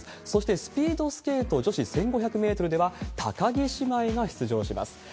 そしてスピードスケート女子１５００メートルでは、高木姉妹が出場します。